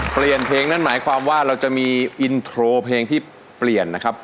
เพลงนั่นหมายความว่าเราจะมีอินโทรเพลงที่เปลี่ยนนะครับ